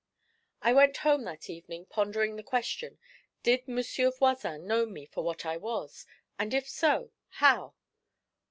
I went home that evening pondering the question, Did Monsieur Voisin know me for what I was, and, if so, how?